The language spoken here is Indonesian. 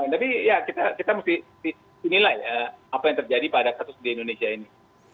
tapi ya kita mesti inilah ya apa yang terjadi pada kasus di indonesia ini